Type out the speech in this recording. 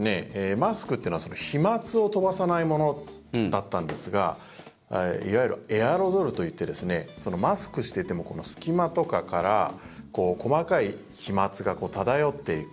マスクというのは飛まつを飛ばさないものだったんですがいわゆるエアロゾルといってマスクしていても隙間とかから細かい飛まつが漂っていく。